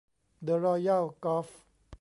เดอะรอยัลกอล์ฟ